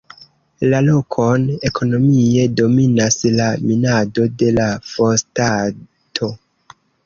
La lokon ekonomie dominas la minado de la fosfato.